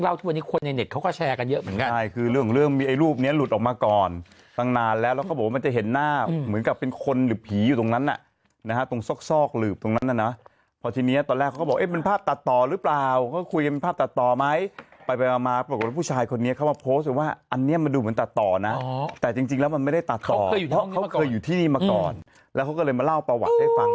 แล้วเขาก็เลยมาเล่าประวัติให้ฟังอย่างเมื่อกี้ที่คุณบนดำเล่าให้ฟัง